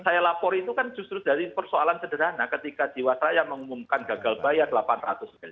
saya lapor itu kan justru dari persoalan sederhana ketika jiwasraya mengumumkan gagal bayar delapan ratus miliar